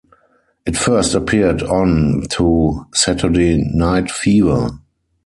It first appeared on to "Saturday Night Fever".